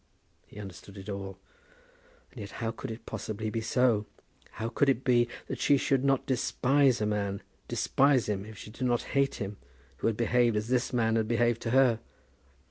He understood it all. And yet how could it possibly be so? How could it be that she should not despise a man, despise him if she did not hate him, who had behaved as this man had behaved to her?